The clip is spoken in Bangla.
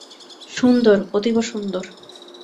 সুন্দর, অতীব সুন্দর।